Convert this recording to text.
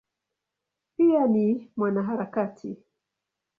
Pia ni mwanaharakati.